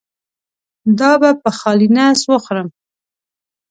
دا په خالي نس وخورم؟